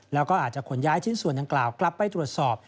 แล้วก็อาจจะขนย้ายชิ้นส่วนดังกล่าวกลับไปตรวจสอบ